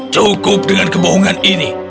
cukup dengan kebohongan ini